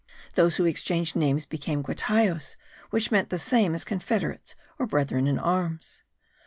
Those who exchanged names became guaitaos, which meant the same as confederates or brethren in arms.